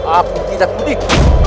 aku tidak mudik